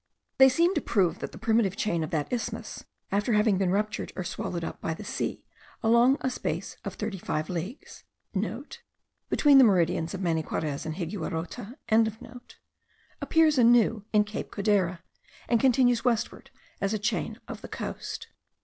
They seem to prove that the primitive chain of that isthmus, after having been ruptured or swallowed up by the sea along a space of thirty five leagues,* (* Between the meridians of Maniquarez and Higuerote.) appears anew in Cape Codera, and continues westward as a chain of the coast.